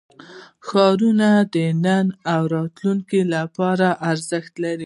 ښارونه د نن او راتلونکي لپاره ارزښت لري.